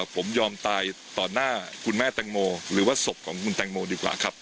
ผมยอมตายต่อหน้าคุณแม่แตงโมหรือว่าศพของคุณแตงโมดีกว่าครับ